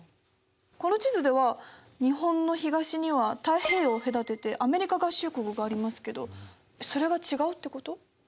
この地図では日本の東には太平洋を隔ててアメリカ合衆国がありますけどそれが違うってこと？